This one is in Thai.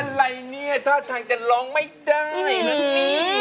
อะไรเนี่ยท่าทางจะร้องไม่ได้นะนี่